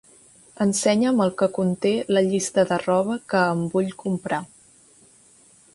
Ensenya'm el que conté la llista de roba que em vull comprar.